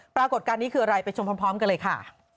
ปรากฏการณ์นี้คืออะไรไปชมพร้อมกันเลยค่ะ